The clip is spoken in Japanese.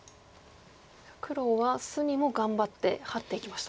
黒は隅も頑張ってハッていきました。